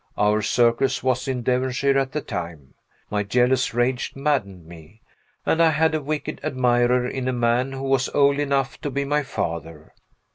Our circus was in Devonshire at the time. My jealous rage maddened me, and I had a wicked admirer in a man who was old enough to be my father.